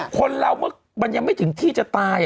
คนเราเมื่อมันยังไม่ถึงที่จะตาย